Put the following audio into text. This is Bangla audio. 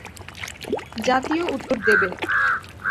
জাতীয় উত্তর দেবে।